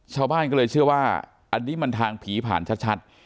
ชาวบ้านก็เลยเชื่อว่าอันนี้มันทางผีผ่านชัด